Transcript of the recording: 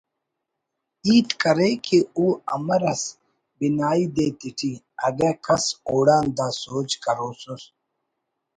ہیت کرے کہ او امر ئس بنائی دے تیٹی‘ اگہ کس اوڑان دا سوج کروسس